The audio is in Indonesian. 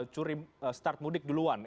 curi start mudik duluan